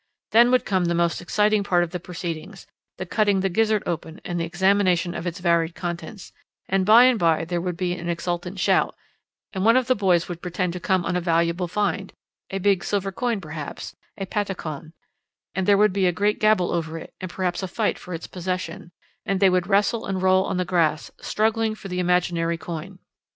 Then would come the most exciting part of the proceedings the cutting the gizzard open and the examination of its varied contents; and by and by there would be an exultant shout, and one of the boys would pretend to come on a valuable find a big silver coin perhaps, a patacon, and there would be a great gabble over it and perhaps a fight for its possession, and they would wrestle and roll on the grass, struggling for the imaginary coin.